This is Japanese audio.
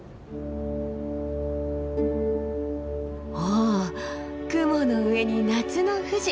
お雲の上に夏の富士！